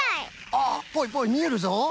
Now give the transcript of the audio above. あっぽいぽいみえるぞ。